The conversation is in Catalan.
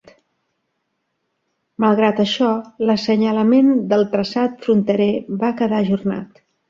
Malgrat això, l'assenyalament del traçat fronterer va quedar ajornat.